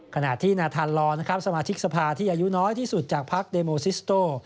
ขณะที่นาธานลอนะครับสมาชิกสภาที่อายุน้อยที่สุดจากพักเดโมซิสโต